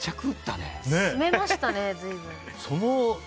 詰めましたね、随分。